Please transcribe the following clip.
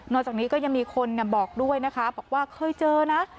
จากนี้ก็ยังมีคนบอกด้วยนะคะบอกว่าเคยเจอนะ